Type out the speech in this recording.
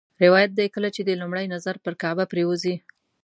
روایت دی کله چې دې لومړی نظر پر کعبه پرېوځي.